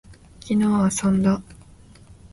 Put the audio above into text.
昨日遊んだ